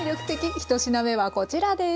１品目はこちらです。